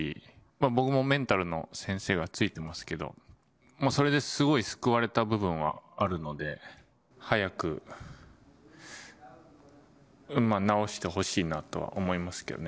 僕もメンタルの先生がついてますけど、もうそれですごい救われた部分はあるので、早く治してほしいなとは思いますけどね。